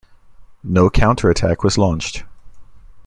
No counter-attack was launched.